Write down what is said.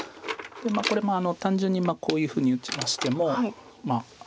これも単純にこういうふうに打ちましても。